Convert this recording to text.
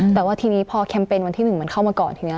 แต่ว่าทีนี้พอแคมเปญวันที่๑มันเข้ามาก่อนทีนี้